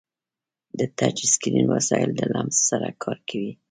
د ټچ اسکرین وسایل د لمس سره کار کوي.